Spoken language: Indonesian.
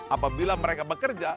apabila mereka bekerja